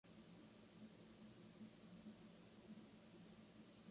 Para apoyar el álbum, la banda emprendió dos giras del Reino Unido.